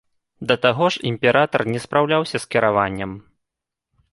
Да таго ж, імператар не спраўляўся з кіраваннем.